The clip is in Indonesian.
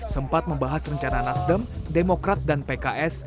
sempat membahas rencana nasdem demokrat dan pks